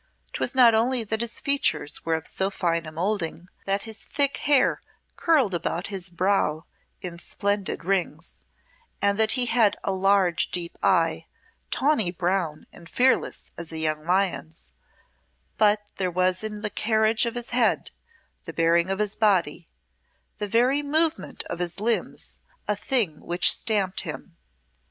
'Twas not only that his features were of so fine a moulding, that his thick hair curled about his brow in splendid rings, and that he had a large deep eye, tawny brown and fearless as a young lion's, but there was in the carriage of his head, the bearing of his body, the very movement of his limbs a thing which stamped him.